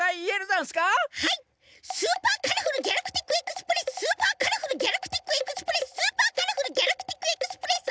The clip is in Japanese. はいスーパーカラフルギャラクティックエクスプレススーパーカラフルギャラクティックエクスプレススーパーカラフルギャラクティックエクスプレス！